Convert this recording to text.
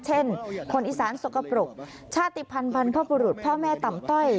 เช่นคนอีสานสกปรกชาติพันภัณฑ์พระบรูษพ่อแม่ต่ำเต้อย